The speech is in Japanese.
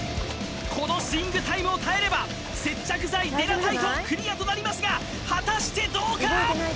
このスイングタイムを耐えれば接着剤デナタイトクリアとなりますが果たしてどうか！？